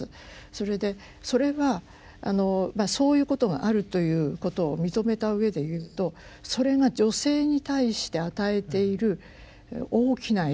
それでそれはそういうことがあるということを認めたうえで言うとそれが女性に対して与えている大きな影響